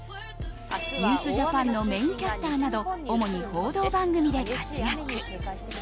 「ニュースＪＡＰＡＮ」のメインキャスターなど主に報道番組で活躍。